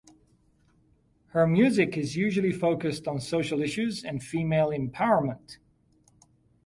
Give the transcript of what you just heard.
Her music is usually focused on social issues and female empowerment.